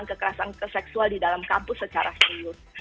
dan kekerasan seksual di dalam kampus secara seuyur